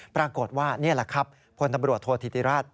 ปรากฏว่านี่แหละครับพลตำรวจโทษธิติราช